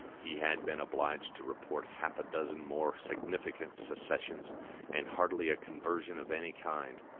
He had been obliged to report half a dozen more significant secessions, and hardly a conversion of any kind.